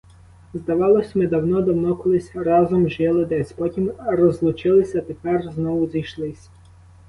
Здавалось, ми давно-давно колись разом жили десь, потім розлучились, а тепер знову зійшлись.